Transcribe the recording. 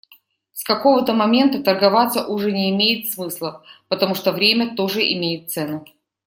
С какого-то момента торговаться уже не имеет смысла, потому что время тоже имеет цену.